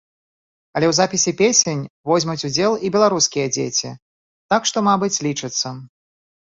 Але ў запісе песень возьмуць удзел і беларускія дзеці, так што, мабыць, лічыцца.